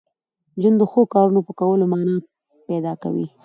ژوند د ښو کارونو په کولو مانا پیدا کوي.